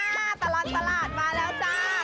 มาแล้วจ้าตลอดตลาดมาแล้วจ้า